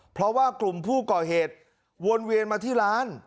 เพราะว่ากลุ่มผู้ก่อเหตุวนเวียนมาที่ร้าน